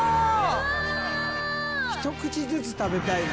ひと口ずつ食べたいな。